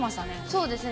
そうですね。